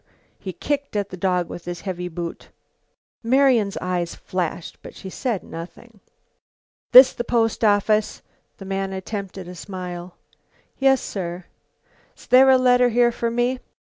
He kicked at the dog with his heavy boot. Marian's eyes flashed, but she said nothing. "This the post office?" The man attempted a smile. "Yes, sir." "'S there a letter here for me?"